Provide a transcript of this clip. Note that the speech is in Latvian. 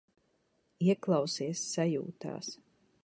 Ieklausies sajūtās.